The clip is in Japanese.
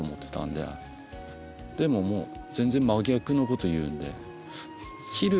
でももう全然真逆のことを言うんで。